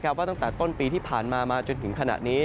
ว่าตั้งแต่ต้นปีที่ผ่านมามาจนถึงขณะนี้